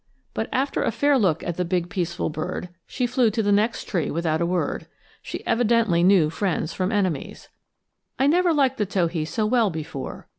But after a fair look at the big peaceful bird, she flew to the next tree without a word she evidently knew friends from enemies. I never liked the towhee so well before.